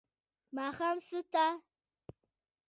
ماښام ساه ته